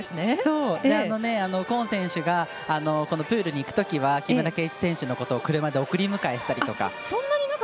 コーン選手がプールに行くときは木村敬一選手のことを車で送り迎えしたりとか。